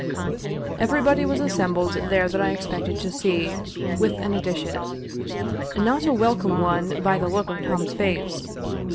Everybody was assembled there that I expected to see, with an addition. Not a welcome one by the look on Tom's face.